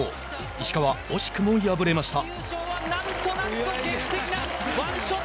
石川、惜しくも敗れました。